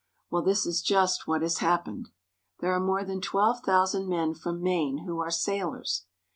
Well, this is just what has happened. There are more than twelve thousand men from Maine who are sailors.